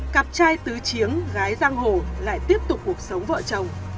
cặp trai tứ chiếng gái giang hồ lại tiếp tục cuộc sống vợ chồng